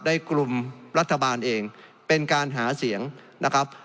กลุ่มรัฐบาลเองเป็นการหาเสียงนะครับ